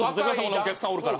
お客さんおるから。